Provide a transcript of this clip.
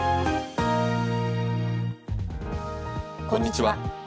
こんにちは。